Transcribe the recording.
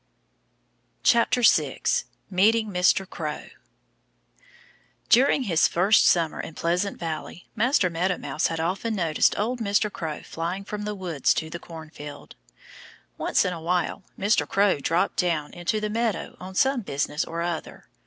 6 Meeting Mr. Crow DURING his first summer in Pleasant Valley Master Meadow Mouse had often noticed old Mr. Crow flying from the woods to the cornfield. Once in a while Mr. Crow dropped down into the meadow on some business or other.